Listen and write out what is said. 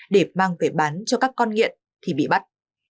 để mang về bán cho các con nghiện thì bị bắt